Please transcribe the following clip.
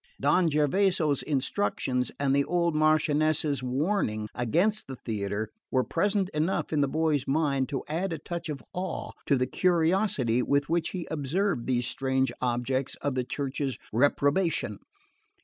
Don Gervaso's instructions and the old Marchioness's warning against the theatre were present enough in the boy's mind to add a touch of awe to the curiosity with which he observed these strange objects of the Church's reprobation.